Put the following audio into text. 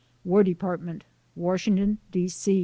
WAR DEPARTMENT, WASHINGTON, D. C.